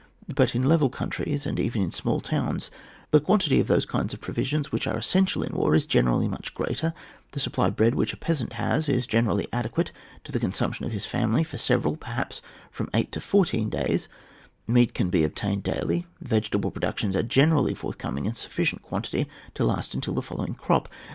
But in level countries, and even in small towns, the quantity of those kinds of provisions which are essential in war is generally much greater; the supply of bread which a peasant has is generally adequate to the consumption of his famUy for several, perhaps from eight to fourteen days ; meat can be obtained daily, vegetable productions are gener ally forthcoming in sufficient quantity to last till the following crop.